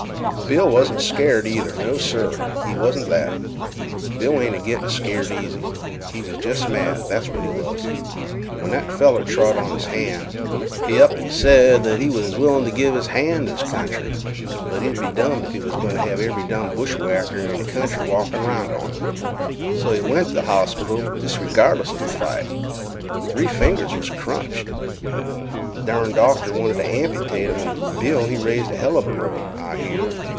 "Bill wasn't scared either. No, sir! It wasn't that. Bill ain't a gittin' scared easy. He was jest mad, that's what he was. When that feller trod on his hand, he up an' sed that he was willin' t' give his hand t' his country, but he be dumbed if he was goin' t' have every dumb bushwhacker in th' kentry walkin' 'round on it. So he went t' th' hospital disregardless of th' fight. Three fingers was crunched. Th' dern doctor wanted t' amputate 'm, an' Bill, he raised a heluva row, I hear.